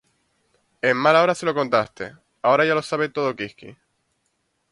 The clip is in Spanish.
¡En mala hora se lo contaste! Ahora ya lo sabe todo quisqui